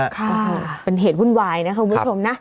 ค่ะเป็นเหตุวุ่นวายนะคุณผู้ชมนะ